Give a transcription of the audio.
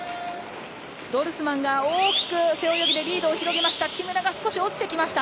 ドルスマンが大きくリードを広げました。